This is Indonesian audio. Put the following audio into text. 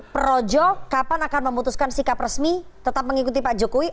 projo kapan akan memutuskan sikap resmi tetap mengikuti pak jokowi